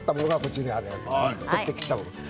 取って切ったもの